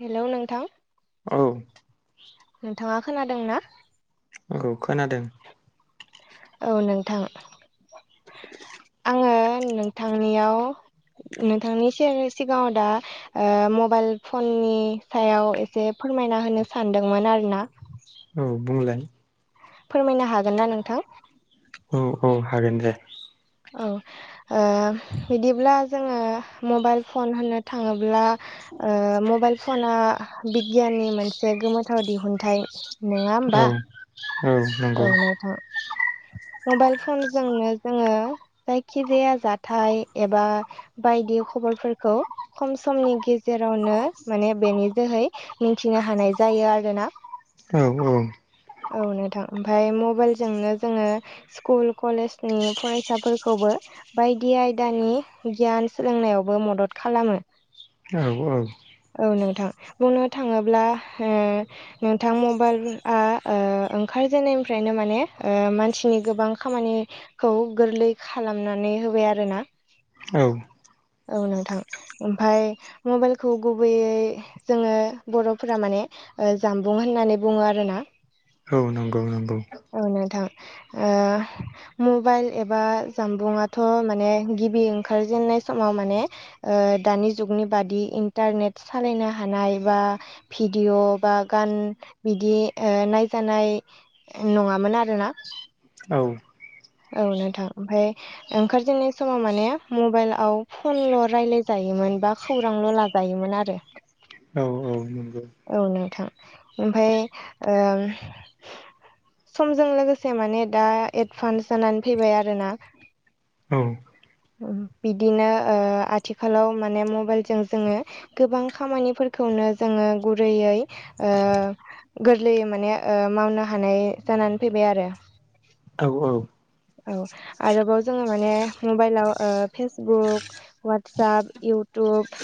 हेल' नोंथां औ नोंथांङा खोनादों ना आंखौ खोनादों औ नोंथां आंङो नोंथांनियाव नोंथांनि सिगांङाव दा मबाइल फननि सायाव एसे फोरमायना होनो सानदोंमोन आरोना औ बुंलाय फोरमायनो हागोन ना नोंथां औ औ हागोन दे औ ओ बिदिब्ला जोङो मबाइल फन होननो थाङोब्ला ओ मबाइल फना बिगियाननि मोनसे गोमोथाव दिहुनथाइ नोङा होमबा औ औ औ नंगौ नोंथां मबाइल फनजोंनो जोङो जायखिजाया जाथाय एबा बायदि खबरफोरखौ खम समनि गेजेरावनो माने बेनि जोहै मिथिनो हानाय जायो आरोना औ औ औ नोंथां ओमफफ्राय मबाइलजोंनो जोङो स्कुल कलेज नि फरायसाफोरखौबो बायदि आयदानि गियान सोलोंनायावबो मदद खालामो। औ औ औ नोंथां बुंनो थाङोब्ला उम नोंथां मबाइल आ खाय जानायनिफ्रायनो माने ओ मानसिनि गोबां खामानि खौ गोरलै खालामनानै होबाय आरोना औ औ नोंथां ओमफाय मबाइलखौ गुबैयै जोङो बर'फोरा माने ओ जामबुं होननानै बुङो आरोना। औ नंगौ नंगौ। औ नोंथां ओ मबाइल एबा जानबुङाथ' माने गिबि ओंखारजेनन्नाय समाव माने। दानि जुगनि बादि इन्टारनेट सालायनो हानाय बा भिडिअ' बा गान बिदि नायजानाय नङामोन आरो ना? औ। औ नोंथां ओमफ्राय ओंखार जेननाय समाव माने मबाइलव फनल' रायलाय जायोमोन बा खौरांल' ला जायोमोन आरो औ औ नंगौ। औ नोंथां ओमफाय ओ समजों लोगोसे माने दा एडभान्स जानानै फैबाय आरोना। औ। बिदिनो ओ आथिखालाव माने मबाइलजों जोङो। गोबां खामानिफोरखौनो जोङो गुरैयै ओ गोरलैयै माने ओ मावनो हानाय जानानै फैबाय आरो। औ औ। औ आरोबाव जोङो माने मबाइलाव ओ फेसबुक ववाटसप, इउटुब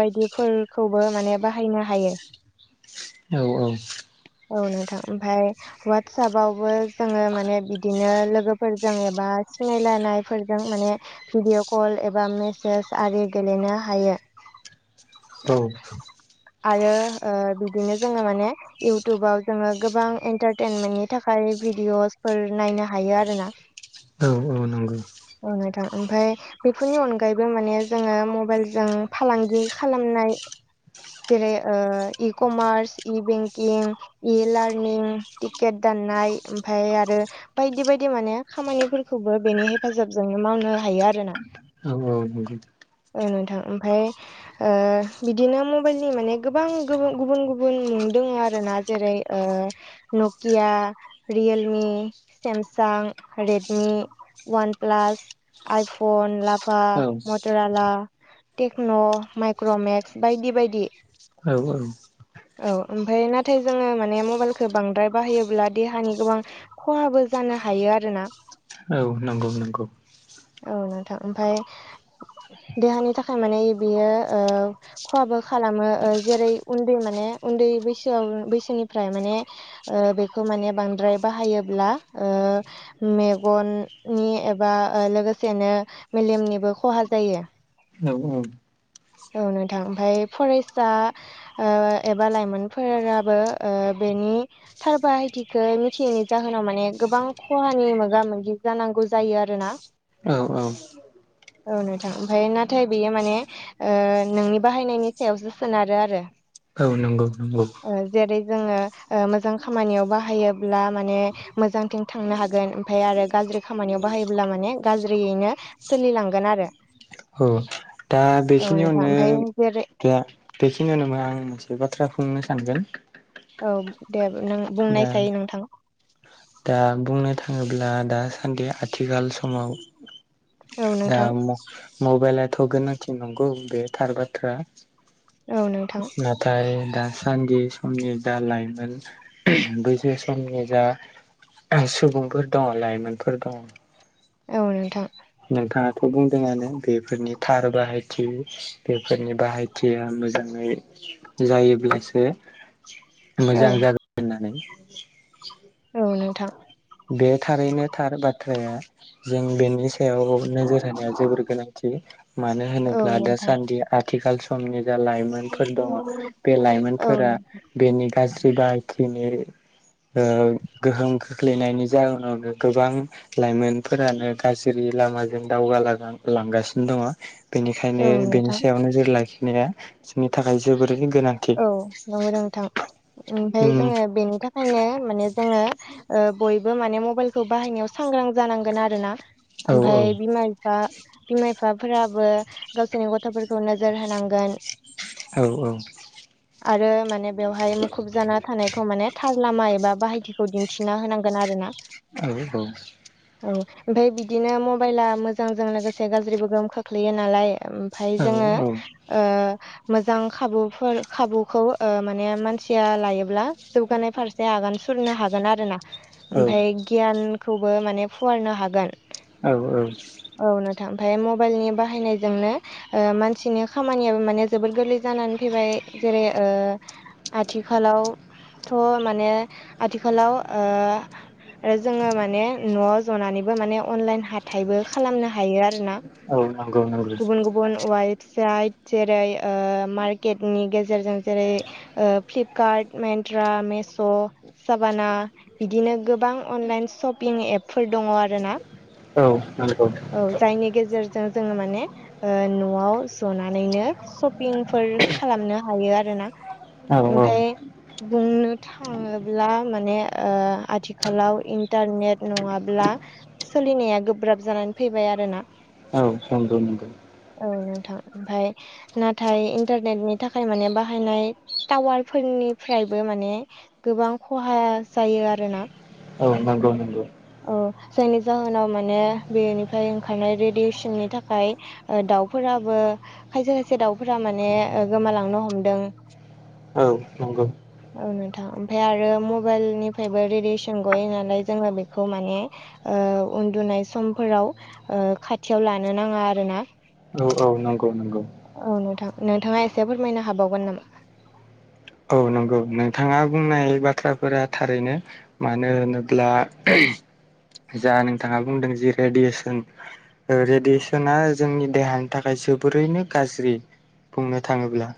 बायदिफोरखौबो माने बाहायनो हायो। औ औ। औ नोंथां ओमफाय ववाटसपावबो जोङो माने बिदिनो लोगोफोरजों एबा सिनायलायनायफोरजों माने भिडिअ कल एबा मेसेज आरि गेलेनो हायो। आरो ओ बिदिनो जोङो माने। इउटुबाव जोङो गोबां एन्टारटेनमेन्टनि थाखाय भिडिअसफोर नायनो हायो आरो ना। औ औ नंगौ। औ नोंथां ओमफ्राय बेफोरनि अनगायैबो माने जोङो मबाइलजों फालांगि खालामनाय जेरै ओ इ कमार्स इ बेंकिं इ लार्निं टिकेट दाननाय ओमफाय आरो बायदि बायदि माने खामानिफोरखौबो बेनि हेफाजाबजोंनो मावनो हायो आरोना। औ औ। [inaudible] औ नोंथां ओमफफ्राय बिदिनो मबाइलनि माने गोबां। गुबुन गुबुन दोङो आरो ना जेरै ओ Nokia, Realme, Samsung, Redmi. OnePlus, iPhone, lava, Motorola Tecno, Micromax बायदि बायदि। औ आ औ ओमफ्राय नाथाय जोङो माने मबाइलखौ बांद्राय बाहायोब्ला देहानि गोबां खहाबो जानो हायो आरोना। औ नंगौ। नंगौ औ नोंथां ओमफाय देहानि थाखाय माने बियो ओ खहाबो खालामो ओ जेरै उन्दै माने उन्दै बैसोआव बैसोनिफ्राय माने ओ औ बेखौ माने बांद्राय बाहायोब्ला ओ मेगननि एबा लोगोसेनो मेलेमनिबो खहा जायो। औ औ औ नोंथां ओमफाय फरायसा एबा लाइमोनफोराबो बेनि थार बाहायथिखौ मिथियैनि जाहोनाव माने गोबां खहानि मोगा मोगि जानांगौ जायो आरोना औ औ औ नोंथां ओमफ्राय नाथाय बेयो माने नोंनि बाहायनायनि सायावसो सोनारो आरो [inaudible] जेरै जोङो मोजां खामानियाव बाहायोब्ला माने मोजां थांनो हागोन ओमफ्राय आरो गाज्रि खामानियाव बाहायोब्ला माने गाज्रियैनो सोलिलांगोन आरो औ दा औ नोंथां बेखिनिआवनो ओमफ्राय जेरै दा बेखिनिया आं एसे बाथ्रा बुंनो सानगोन औ दे नों दा बुंनायसाय नोंथां दा बुंनो थाङोब्ला दासान्दि आथिखाल समाव औ दा नोंथां मबाइलाथ' गोनांथि नंगौ बे थार बाथ्रा औ नोंथां नाथाय दासान्दि समनि दा लाइमोन [unintelligible] बैसो समनि जा सुबुंफोर दङ लाइमोनफोर दङ औ नोंथां नोंथाङाथ' बुंदोंआनो बेफोरनि थार बाहायथि बेफोरनि बाहायथिया मोजाङै जायोब्लासो औ मोजां जादों होननानै औ नोंथां बे थारैनो थार बाथ्राया जों बेनि सायाव नोजोर होनाया जोबोर गोनांथि मानो औ होनोब्ला नोंथां दासान्दिया आथिखाल समनि जा लाइमोनफोर दङ बे औ लाइमोनफोरा बेनि गाज्रि बाहायथिनि गोहोम खोख्लैनायनि जाहोनावनो गोबां लाइमोनफोरानो गाज्रि लामाजों दावगा लांगासिनो दङ औ बेनिखायनो बेनि नोंथां सायाव नोजोर लाखिनाया जोंनि थाखाय जोबोरै गोनां औ नंगौ नोंथां ओमफ्राय उम जोङो बेनि थाखाय बेखायनो माने जोङो बयबो माने मबाइलखौ बाहायनायाव सांग्रां जानांगोन आरो ना औ ओमफ्राय बिमा बिफा बिमा बिफाफोराबो गावसोरनि गथ'फोरखौ नोजोर होनांगोन औ औ आरो माने बेवहाय मुखुब जाना थानाय माने थार लामा एबा बाहायथिखौ दिन्थिना होनांगोन आरो ना औ औ औ ओमफ्राय बिदिनो मबाइला मोजांजों लोगोसे गाज्रिबो गोहोम खोख्लैयो नालाय ओमफाय जोङो औ मोजां खाबु फोर खाबुखौ माने मानसिया लायोब्ला जौगानाय फारसे आगान सुरनो हागोन आरो ना ओमफाय औ गियानखौबो माने फुवारनो हागोन औ औ औ नोंथां ओमफ्राय मबाइलनि बाहायनायजोंनो मानसिनि खामानियाबो माने जोबोर गोरलै जानानै फैबाय जेरै ओ आथिखालावथ' माने आथिखालाव आरो जोङो माने न'आव जनानैबो माने अनलाइन हाथाइबो खालामनो हायो आरो ना औ नंगौ नंगौ गुबुन गुबुन वेबसाइट जेरै मक [unintelligible] मारकेटनि गेजेरजों जेरै फ्लिपकार्ट मेत्रा मिश' साभाना बिदिनो गोबां अनलाइन शपिं एपफोर दङ आरोना औ नंगौ औ जायनि गेजेरजों जोङो माने न'आव जनानैनो सपिंफोर खालामनो हायो आरोना। औ औ ओमफाय नो थाङोब्ला माने आथिखालाव इन्टारनेट नङाब्ला सोलिनाया गोब्राब जानानै फैबाय आरोना। औ नंगौ नंगौ। औ नोंथां। ओमफ्राय नाथाय इन्टारनेटनि थाखाय माने बाहायनाय टावारफोरनिफ्रायबो माने गोबां खहा जायो आरोना। औ नंगौ नंगौ। औ जायनि जाहोनाव माने बेनिफ्राय ओंखारनाय रेडियेसननि थाखाय। दाउफोराबो खायसे खायसे दाउफोरा माने माने गोमालांनो हमदों। नोंगौ। औ नोंथां ओमफ्राय आरो मबाइल निफ्रायबो रेडियेसन गययो नालाय जोङो बेखौ माने। उन्दुनाय समफोराव खाथियाव लानो नाङा आरो ना औ औ नंगौ नंगौ। औ नोंथां नोंथाङा एसे फोरमायनो हाबावगोन नामा? औ नंगौ नोंथाङा बुंनाय बाथ्राफोरा थारैनो मानो होनोब्ला जा नोंथाङा बुंदों जे रेडियेसन रेडियेसना जोंनि देहानि थाखाय जोबोरैनो गाज्रि। बुंनो थाङोब्ला।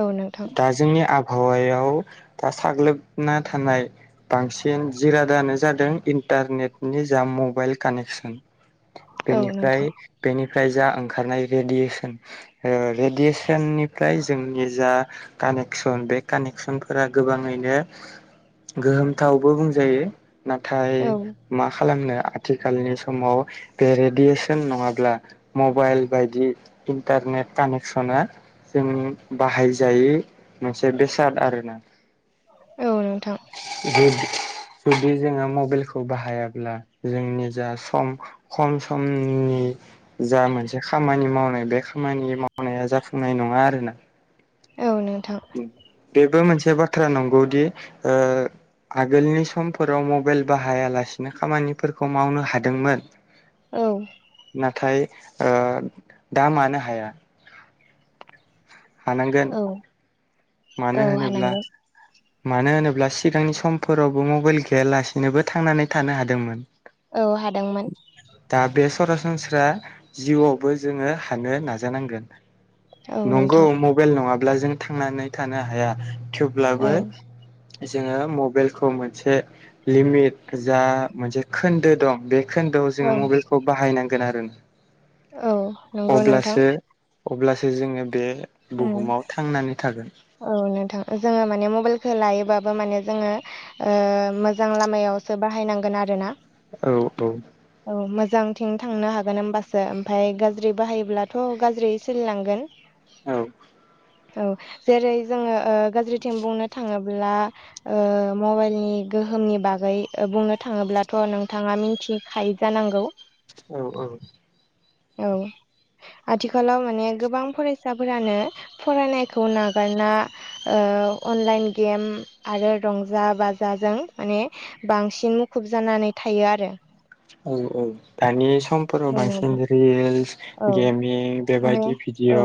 औ नोंथां। दा जोंनि आबहावायाव दा साग्लोबना थानाय। बांसिन जिरादानो जादों इन्टारनेटनि जा मबाइल कानेक्सन औ बेनिफ्राय नोंथां बेनिफ्राय जा ओंखारनाय रेडियेसन रेडियेसननिफ्राय जोंनि जा कानेक्सन बे कानेकसनफोरा गोबाङैनो गोहोमथावबो बुंजायो। नाथाय औ मा खालामनो आथिखालनि समाव बे रेडियेसन नङाब्ला मबाइल बायदि इन्टारनेट कानेक्सना जों बाहायजायो बेसाद आरो ना। औ नोंथां। जुदि जोङो मबाइलखौ बाहायाब्ला जोंनि जा सम खम समनि जा मोनसे खामानि मावनाय बे खामानि मावनाया जाफुंनाय नङा आरोना। औ नोंथां। बेबो मोनसे बाथ्रा नंगौदि ओ आगोलनि समफोराव मबाइल बाहायालासिनो खामानिफोरखौ मावनो हादोंमोन। औ। नाथाय दा मानो हाया। हानांगोन औ मानो औ होनोब्ला हानांगोन। मानो होनोब्ला सिगांनि समफोरावबो मबाइल गैयालासिनोबो थांनानै थानो हादोंमोन। औ हादोंमोन। दा बे सरासनस्रा जिउआवबो जोङो हानो नाजानांगोन। औ नंगौ नोंथां मबाइल नङाब्ला जों थांनानै थानो हाया। थेवब्लाबो औ जोङो मबाइलखौ मोनसे लिमिट जा मोनसे खोन्दो दं। बे खोन्दोआव जोङो औ मबाइलखौ बाहायनांगोन आरो औ नंगौ नोंथां अब्लासो अब्लासो जोङो बे उम बुहुमाव थांनानै थागोन। औ नोंथां जोङो माने मबाइलखौ लायोबाबो माने जोङो ओ। मोजां लामायावसो बाहायनांगोन आरोना। औ औ औ मोजांथिं थांनो हागोन होमबासो ओमफाय गाज्रि बाहायोब्लाथ' गाज्रि सोलिलांगोन। औ औ जेरै जोङो ओ गाज्रिथिं बुंनो थाङोब्ला मबाइलनि गोहोमनि बागै बुंनो थाङोब्लाथ' नोंथाङा मिथिखायो जानांगौ औ औ औ आथिखालाव माने गोबां फरायसाफोरानो फरायनायखौ नागारना अनलाइन गेम आरो रंजा बाजाजों माने बांसिन मुखुब जानानै थायो आरो औ औ दानि समफोराव औ बांसिन नोंथां रिलस औ गेमिं ओमफ्राय बेबायदि भिडिअ औ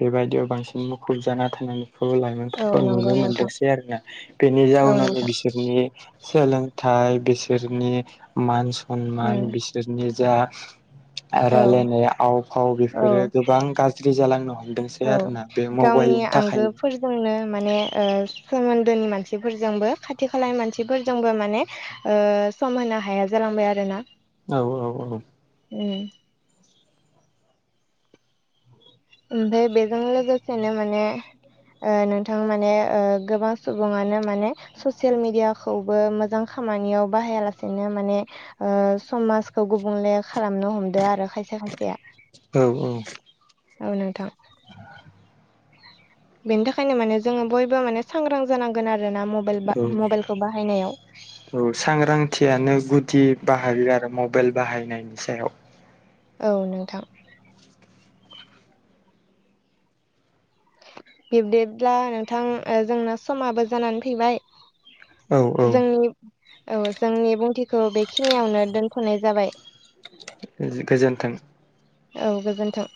बेबायदियाव बांसिन मुखुब जाना थांनानैखौल' लायो [unintelligible] औ फोरखौ नंगौ नुनो नोंथां मोनदोंसै आरोना बेनि औ जाउनावनो नोंथां बिसोरनि सोलोंथाइ बिसोरनि मान सनमान उम बि सोरनि जा औ रायलायनाय आव फाव औ बेफोरो गोबां गाज्रि जालांनो हम दोंसै आरोना बे मबाइलनि थाखायनो [unintelligible] नो माने ओ सोमोनदोनि मानसिफोरजोंबो खाथि खालानि मानसिफोरजोंबो माने सम होनो हाया जालांबाय आरो ना औ औ औ ओम ओमफाय बेजों लोगोसेनो माने नोंथां माने गोबां सुबुङानो माने ससियेल मिडियाखौबो मोजां खामानियाव बाहायालासेनो माने समाजखौ गुबुंले खालामनो हमदो आरो खायसे खायसेया औ औ औ नोंथां बेनि थाखायनो माने जोङो बयबो माने सांग्रां जानांगोन आरोना मबाइल बा औ मबाइलखौ बाहायनायाव औ सांग्रांथियानो गुदि बाहागो आरो मबाइल बाहायनायनि सायाव औ नोंथां बिबदिब्ला नोंथां जोंना समाबो जानानै फैबाय औ औ जोंनि औ जोंनि बुंथिखौ बेखिनियावनो दोनथ'नाय जाबाय गोजोनथों औ गोजोन्थों